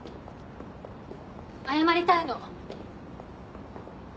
謝りたいの。